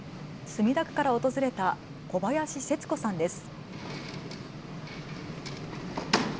墨田区から訪れた小林節子さんです。